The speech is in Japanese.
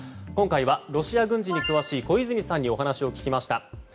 今回はロシア軍事に詳しい小泉さんにお話を聞きました。